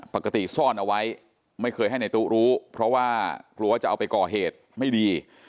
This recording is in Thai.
เพราะว่ากลัวจะเอาไปก่อเหตุไม่ดี